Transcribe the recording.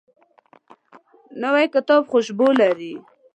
نوی کتاب خوشبو لري